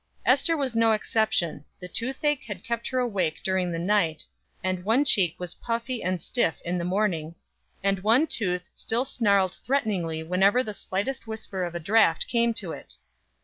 Ester was no exception; the toothache had kept her awake during the night, and one cheek was puffy and stiff in the morning, and one tooth still snarled threateningly whenever the slightest whisper of a draught came to it.